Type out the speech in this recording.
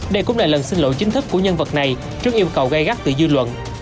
đây cũng là lần xin lỗi chính thức của nhân vật này trước yêu cầu gây gắt từ dư luận